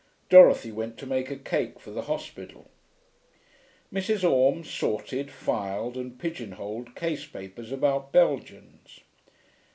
Dorothy went to make a cake for the hospital. Mrs. Orme sorted, filed, and pigeon holed case papers about Belgians.